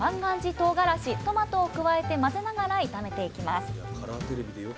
とうがらしトマトを加えて混ぜながら炒めていきます